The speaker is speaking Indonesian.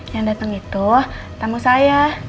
yang datang itu tamu saya